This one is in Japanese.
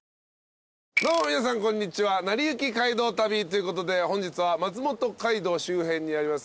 どうも皆さんこんにちは『なりゆき街道旅』ということで本日は松本街道周辺にあります